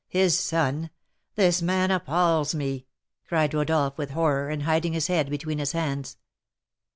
his son! This man appals me!" cried Rodolph, with horror, and hiding his head between his hands.